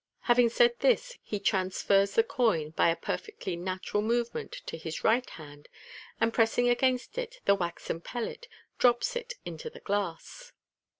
Having said this, he transfers the coin, by a perfectly natural move ment, to his right hand, and press ing against it the waxen pellet, drops it into the glass.